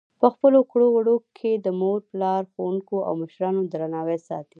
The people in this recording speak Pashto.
په خپلو کړو وړو کې د مور پلار، ښوونکو او مشرانو درناوی ساتي.